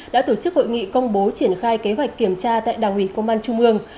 đã tổ chức hội nghị công bố triển khai kế hoạch kiểm tra tại đảng ủy công an trung ương